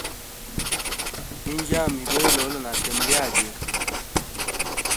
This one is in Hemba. Nyinjyami goilola na temo lyage.